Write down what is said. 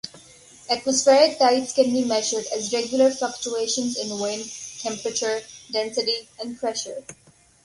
Atmospheric tides can be measured as regular fluctuations in wind, temperature, density and pressure.